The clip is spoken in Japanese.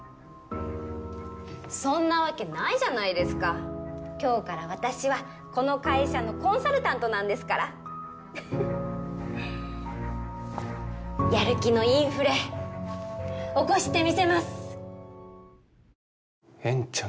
そんなわけないじゃないですか今日から私はこの会社のコンサルタントなんですからふふっやる気のインフレ起こしてみせます！